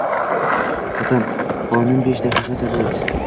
Otam:— Xonim, besh daqiqa sabr et